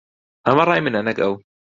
ئەمە ڕای منە، نەک ئەو.